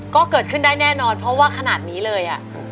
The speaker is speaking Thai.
ก็เกิดขึ้นได้แน่นอนเพราะว่าขนาดนี้เลย